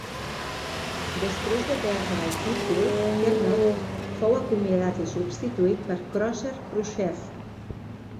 Després de perdre el títol, Kernodle fou acomiadat i substituït per Krusher Khruschev.